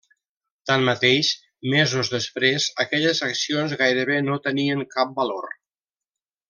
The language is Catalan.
Tanmateix, mesos després, aquelles accions gairebé no tenien cap valor.